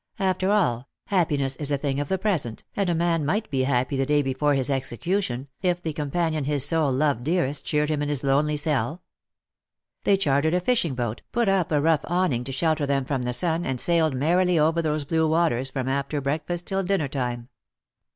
After all, happi ness is a thing of the present, and a man might be happy the day before his execution if the companion his soul loved dearest cheered him in his lonely cell. They chartered a fishing boat, put up a rough awning to shelter them from the sun, and sailed merrily over those blue waters from after breakfast till dinner time.